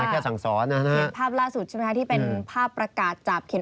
นี่เขาบอกว่าเห็นภาพล่าสุดใช่ไหมครับที่เป็นภาพประกาศจาก